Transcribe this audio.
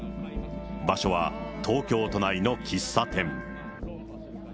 場所は東京都内の喫茶店。